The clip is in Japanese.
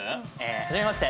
はじめまして。